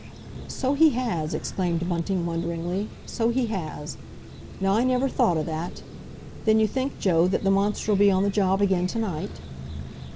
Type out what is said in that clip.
"So he has," exclaimed Bunting wonderingly. "So he has! Now, I never thought o' that. Then you think, Joe, that the monster'll be on the job again to night?"